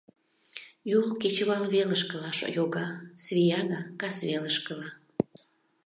Юл кечывалвелышкыла йога, Свияга — касвелышкыла.